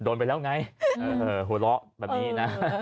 โดนไปแล้วไงหัวเราะแบบนี้นะ